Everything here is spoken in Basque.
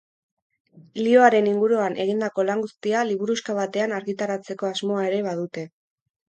Lihoaren inguruan egindako lan guztia liburuxka batean argitaratzeko asmoa ere badute.